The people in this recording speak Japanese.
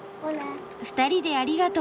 ２人でありがとう！